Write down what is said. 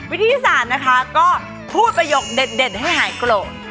วิธีที่สามนะคะก็พูดประโยคเด่นให้หายโกรธ